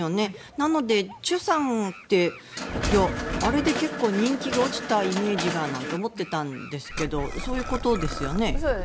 なので、チュさんってあれで結構人気が落ちたイメージがなんて思っていたんですけどそういうことですよね。